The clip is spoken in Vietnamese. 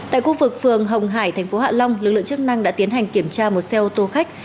tại khu vực phường hồng hải thành phố hạ long lực lượng chức năng đã tiến hành kiểm tra một xe ô tô khách